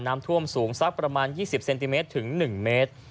น้ำท่วมสูงซักประมาณยี่สิบเซนติเมตรถึงหนึ่งเมตร